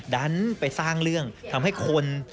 ดันไปสร้างเรื่องทำให้คน